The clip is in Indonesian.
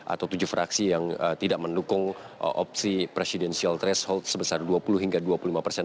atau tujuh fraksi yang tidak mendukung opsi presidensial threshold sebesar dua puluh hingga dua puluh lima persen